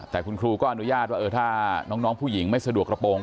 แต่คุณครูก็อนุญาตว่าถ้าน้องผู้หญิงไม่สะดวกกระโปรง